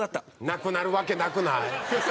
なくなるわけなくない？